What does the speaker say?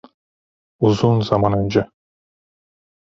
Uzun zaman önce.